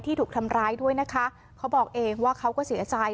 ถูกทำร้ายด้วยนะคะเขาบอกเองว่าเขาก็เสียใจ